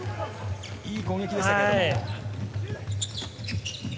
いい攻撃でしたけども。